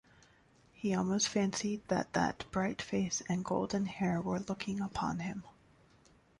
He almost fancied that that bright face and golden hair were looking upon him